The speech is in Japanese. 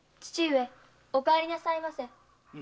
父上お帰りなさいませ。